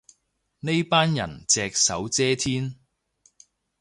呢班人隻手遮天